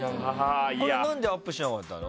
これ、何でアップしなかったの？